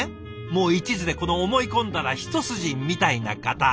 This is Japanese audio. もういちずで思い込んだら一筋みたいな方。